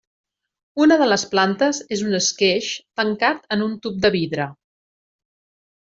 Una de les plantes és un esqueix, tancat en un tub de vidre.